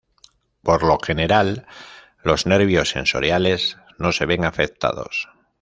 Por lo general los nervios sensoriales no se ven afectados.